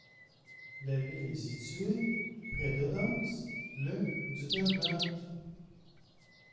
La ville est située près d'Odense, le du Danemark.